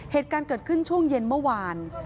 เหตุการณ์เกิดขึ้นช่วงเย็นเมื่อวาน